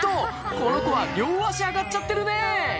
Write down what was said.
この子は両足上がっちゃってるね